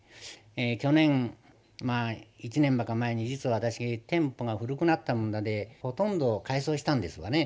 去年まあ１年ばかり前に実は私店舗が古くなったもんだでほとんど改装したんですがね。